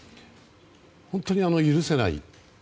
本当に許せない。